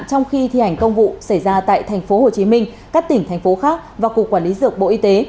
trong khi thi hành công vụ xảy ra tại tp hcm các tỉnh thành phố khác và cục quản lý dược bộ y tế